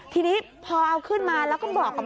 ทีนี้พอเอาขึ้นมาแล้วก็บอกกับ